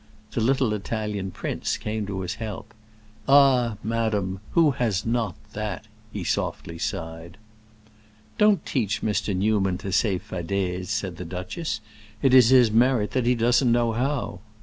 The little Italian prince came to his help: "Ah, madam, who has not that?" he softly sighed. "Don't teach Mr. Newman to say fadaises," said the duchess. "It is his merit that he doesn't know how."